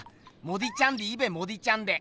モディちゃんでいいべモディちゃんで。